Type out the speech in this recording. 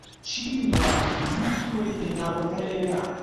چی وا زوو تۆی هێناوەتە ئێرە؟